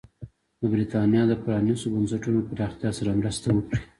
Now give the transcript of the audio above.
د برېټانیا د پرانېستو بنسټونو پراختیا سره مرسته وکړي.